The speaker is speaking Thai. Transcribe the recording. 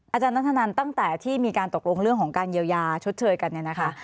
อาจารย์นัทธนันตั้งแต่ที่มีการตกลงเรื่องของการเยียวยาชดเชยกันเนี่ยนะคะ